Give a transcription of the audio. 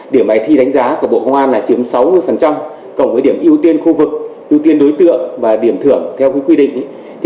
điểm bài thi đánh giá của bộ công an là chiếm sáu mươi cộng với điểm ưu tiên khu vực ưu tiên đối tượng và điểm thưởng theo quy định